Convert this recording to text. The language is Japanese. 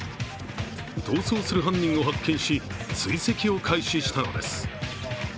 逃走する犯人を発見し追跡を開始したのです。